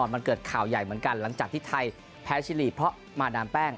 มันเกิดข่าวใหญ่เหมือนกันหลังจากที่ไทยแพ้ชิลีเพราะมาดามแป้ง